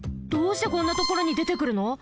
どうしてこんなところにでてくるの？